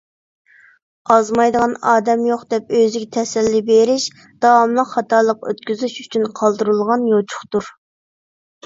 ئازمايدىغان ئادەم يوق دەپ ئۆزىگە تەسەللى بېرىش — داۋاملىق خاتالىق ئۆتكۈزۈش ئۈچۈن قالدۇرۇلغان يوچۇقتۇر.